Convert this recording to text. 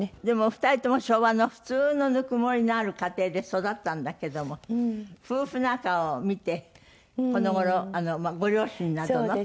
でもお二人とも昭和の普通のぬくもりのある家庭で育ったんだけども夫婦仲を見てこの頃ご両親などの？